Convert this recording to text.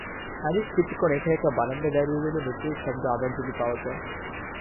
আনিস কিছুক্ষণ একা-একা বারান্দায় দাঁড়িয়ে রইল-নূপুরের শব্দ আবার যদি পাওয়া যায়।